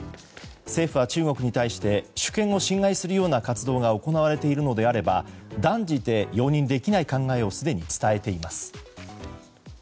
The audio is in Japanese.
政府は中国に対して主権を侵害するような活動が行われているのであれば断じて容認できない考えをすでに伝えています。